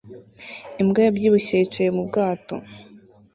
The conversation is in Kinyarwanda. Imbwa yabyibushye yicaye mu bwato